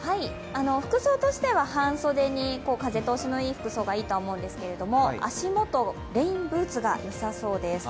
服装としては半袖に風通しのいい服装がいいと思うんですけど足元、レインブーツがよさそうです